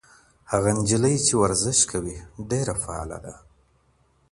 هغه نجلۍ چې ورزش کوي، ډېره فعاله ده.